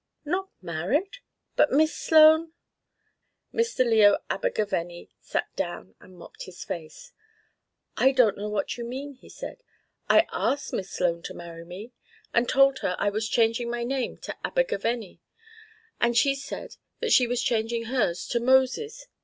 "Not married? But Miss Sloan " Mr. Leo Abergavenny sat down and mopped his face. "I don't know what you mean," he said. "I asked Miss Sloan to marry me, and told her I was changing my name to Abergavenny. And she said that she was changing hers to Moses.